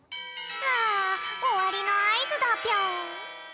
あおわりのあいずだぴょん！